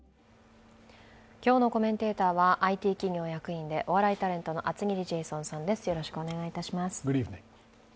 今日のコメンテーターはＩＴ企業の役員でお笑いタレントの厚切りジェイソンさんです。